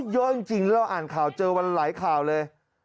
เยอะจริงแล้วเราอ่านข่าวเจอวันหลายข่าวเลย